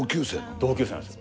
同級生なんですよ。